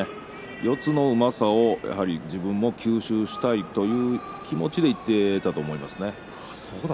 四つのうまさを自分も吸収したいという気持ちでいっていたと思いますね。